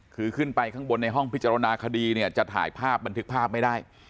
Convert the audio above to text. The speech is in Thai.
คือขึ้นไปข้างบนในห้องพิจารณาคดีเนี่ยจะถ่ายภาพบันทึกภาพไม่ได้